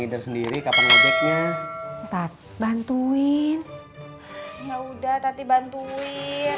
minder week up nya fortunate bantuin ya udah jadi bantuin